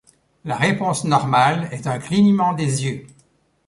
La réponse normale est un clignement des yeux.